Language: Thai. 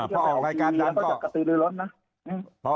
เพราะออกรายการดังก็กระตือหรือล้นนะ